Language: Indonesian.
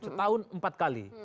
setahun empat kali